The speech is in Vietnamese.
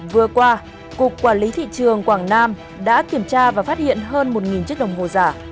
vừa qua cục quản lý thị trường quảng nam đã kiểm tra và phát hiện hơn một chiếc đồng hồ giả